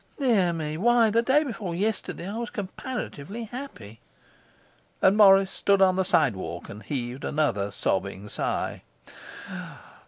Dear me, why, the day before yesterday I was comparatively happy.' And Morris stood on the sidewalk and heaved another sobbing sigh.